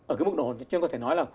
ở cái mục đồ chứ không có thể nói là